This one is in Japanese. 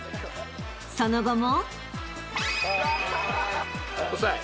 ［その後も］